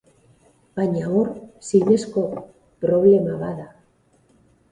Baina hor, zinezko problema bada.